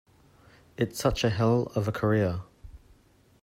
It's such a hell of a career!